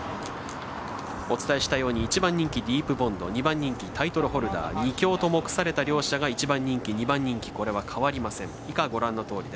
お伝えしたように１番人気ディープボンド２番人気タイトルホルダー２強と目された両者が１番人気、２番人気これは変わりません。